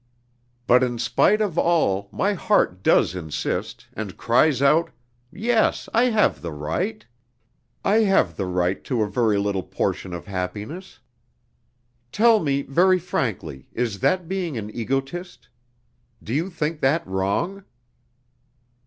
But in spite of all my heart does insist and cries out: Yes, I have the right, I have the right to a very little portion of happiness.... Tell me very frankly, is that being an egotist? Do you think that wrong?"